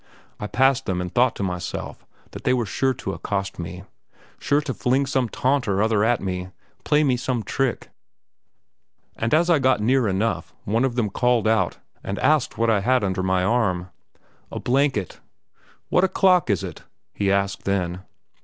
I passed them and thought to myself that they were sure to accost me, sure to fling some taunt or other at me, play me some trick; and as I got near enough, one of them called out and asked what I had under my arm? "A blanket!" "What o'clock is it?" he asked then.